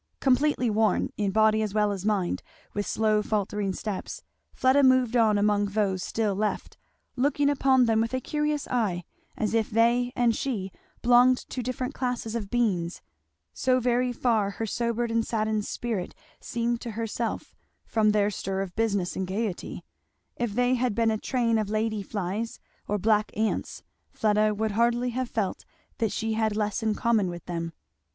Completely worn, in body as well as mind, with slow faltering steps, Fleda moved on among those still left; looking upon them with a curious eye as if they and she belonged to different classes of beings; so very far her sobered and saddened spirit seemed to herself from their stir of business and gayety; if they had been a train of lady flies or black ants Fleda would hardly have felt that she had less in common with them.